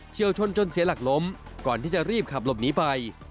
วชนจนเสียหลักล้มก่อนที่จะรีบขับหลบหนีไป